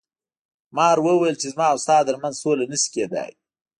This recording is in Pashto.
مار وویل چې زما او ستا تر منځ سوله نشي کیدی.